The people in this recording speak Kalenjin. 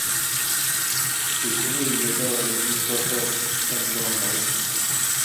Kibunu iyeto Ole kikosor eng bombait